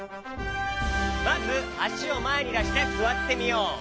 まずあしをまえにだしてすわってみよう。